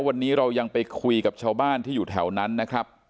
วันนี้เรายังไปคุยกับชาวบ้านที่อยู่แถวนั้นนะครับ